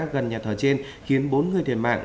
gần nhà thờ trên khiến bốn người thiệt mạng